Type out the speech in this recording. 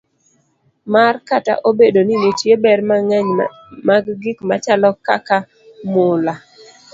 mar Kata obedo ni nitie ber mang'eny mag gik machalo kaka mula,